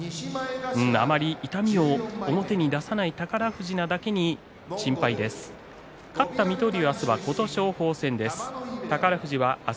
あまり痛みを表に出さない宝富士だけに心配です。